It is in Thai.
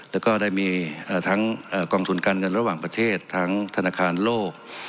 แล้วก็ได้มีทั้งกองทุนการเงินระหว่างประเทศทั้งธนาคารโลก